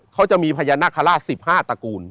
เขาจะมีพญานาคาราช๑๕ตระกูล